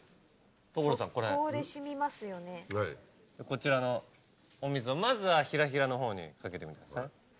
こちらのお水をまずはひらひらのほうにかけてみてください。